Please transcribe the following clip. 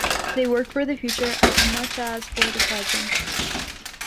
They work for the future as much as for the present.